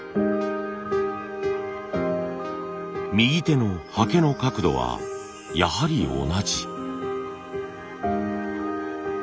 右手のはけの角度はやはり同じ。